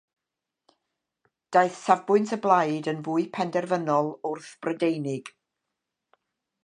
Daeth safbwynt y blaid yn fwy penderfynol wrth-Brydeinig.